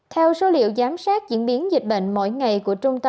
theo số liệu giám sát diễn biến dịch bệnh mỗi ngày của trung tâm